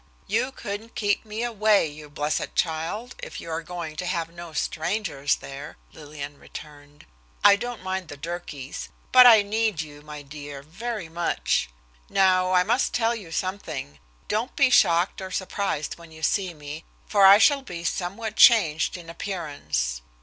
"You couldn't keep me away, you blessed child, if you are going to have no strangers there," Lillian returned. "I don't mind the Durkees. But I need you, my dear, very much. Now I must tell you something, don't be shocked or surprised when you see me, for I shall be somewhat changed in appearance.